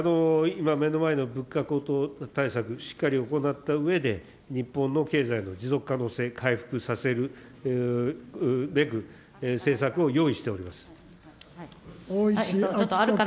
今、目の前の物価高騰対策、しっかり行ったうえで、日本の経済の持続可能性、回復させるべく、大石あきこ君。